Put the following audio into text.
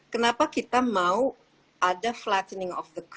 kenapa kita mau ada flattening of the cur